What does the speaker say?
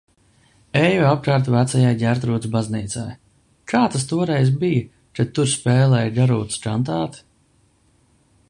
Eju apkārt Vecajai Ģertrūdes baznīcai. Kā tas toreiz bija, kad tur spēlēja Garūtas kantāti?